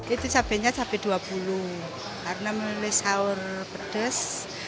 itu cabainya cabai dua puluh karena menulis sahur pedas